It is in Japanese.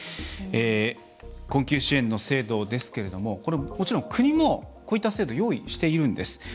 困窮支援の制度ですけどももちろん国も、こういった制度用意しているんです。